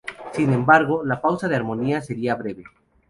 Sin embargo, la pausa de Harmonia sería breve.